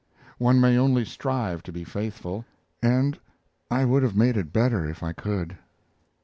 One may only strive to be faithful and I would have made it better if I could.